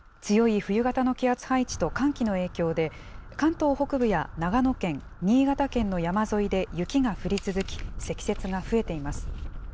強い冬型の気圧配置と寒気の影響で、関東北部や長野県、新潟県の山沿いで雪が降り続き、積雪が増えています。